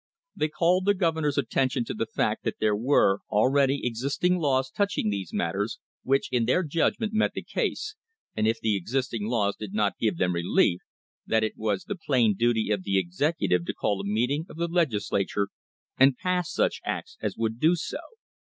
They called the Governor's attention to the fact that there were already existing laws touching these matters which, in their judgment, met the case, and if the existing laws did not give them relief, that it was the plain duty of the executive to call a meeting of the Legislature and pass such acts as would do so.